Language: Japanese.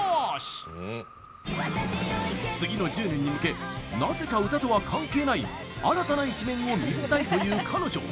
次の１０年に向けなぜか、歌とは関係ない新たな一面を見せたいという彼女。